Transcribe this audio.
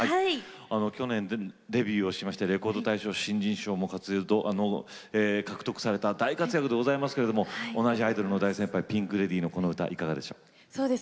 去年デビューしてレコード大賞、新人賞も受賞と獲得された大活躍でございますけど同じアイドルの大先輩ピンクレディーのこの歌いかがでしょうか。